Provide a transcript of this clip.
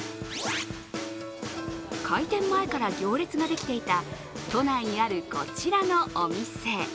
開店前から行列ができていた都内にあるこちらのお店。